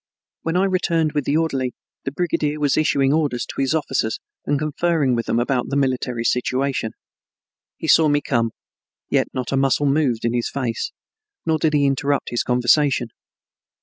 When I returned with the orderly, the brigadier was issuing orders to his officers and conferring with them about the military situation. He saw me come, yet not a muscle moved in his face, nor did he interrupt his conversation.